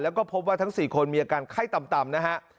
แล้วก็พบว่าทั้ง๔คนมีอาการไข้ต่ำนะฮะ